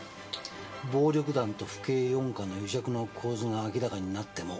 暴力団と府警四課の癒着の構図が明らかになっても。